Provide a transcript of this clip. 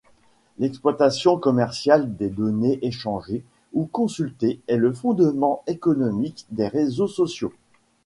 L'exploitation commerciale des données échangées ou consultées est le fondement économique des réseaux sociaux.